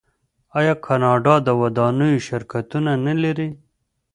آیا کاناډا د ودانیو شرکتونه نلري؟